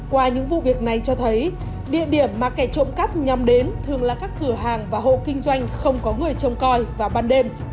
qua những vụ việc này cho thấy địa điểm mà kẻ trộm cắp nhằm đến thường là các cửa hàng và hộ kinh doanh không có người trông coi vào ban đêm